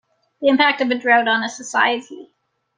The impact of a drought on a society.